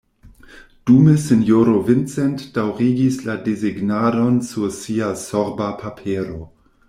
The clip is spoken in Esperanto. Dume sinjoro Vincent daŭrigis la desegnadon sur sia sorba papero.